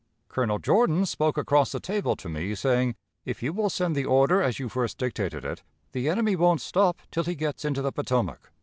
Colonel Jordan spoke across the table to me, saying, "If you will send the order as you first dictated it, the enemy won't stop till he gets into the Potomac."